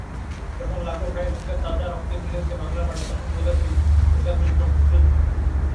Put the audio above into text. যখন লাখো ভাইয়ের বুকের তাজা রক্তেভিজেছে বাংলার মাটি, তখন বুঝেছি এটা যুদ্ধ মুক্তিযুদ্ধ।